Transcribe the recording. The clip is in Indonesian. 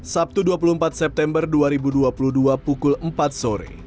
sabtu dua puluh empat september dua ribu dua puluh dua pukul empat sore